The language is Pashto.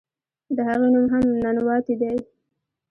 د هغې نوم هم "ننواتې" دے.